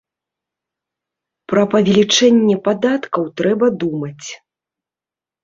Пра павелічэнне падаткаў трэба думаць.